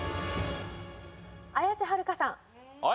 綾瀬はるかさん